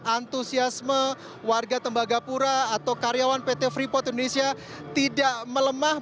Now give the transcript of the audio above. antusiasme warga tembagapura atau karyawan pt freeport indonesia tidak melemah